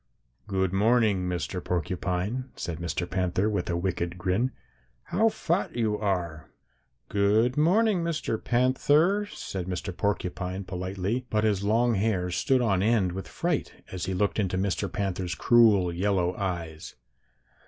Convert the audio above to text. "'Good morning, Mr. Porcupine,' said Mr. Panther, with a wicked grin. 'How fat you are!' "'Good morning, Mr. Panther,' said Mr. Porcupine politely, but his long hair stood on end with fright, as he looked into Mr. Panther's cruel yellow eyes.